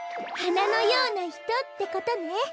「はなのようなひと」ってことね！